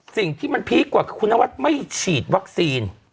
สิ่งที่มันพีคกว่าคือคุณนวัดไม่ฉีดวัคซีน